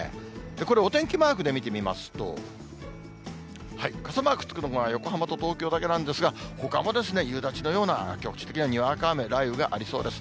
これ、お天気マークで見てみますと、傘マークつくのが横浜と東京だけなんですが、ほかも夕立のような局地的なにわか雨、雷雨がありそうです。